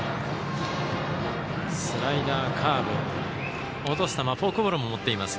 スライダー、カーブ落とす球、フォークボールも持っています。